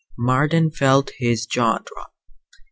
Marden felt his jaw drop.